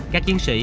các chiến sĩ